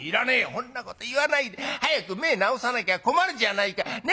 「そんなこと言わないで早く目ぇ治さなきゃ困るじゃないか。ね。